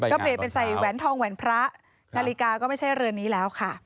ก็เปลี่ยนเป็นใส่แหวนทองแหวนพระนาฬิกาก็ไม่ใช่เรือนนี้แล้วค่ะ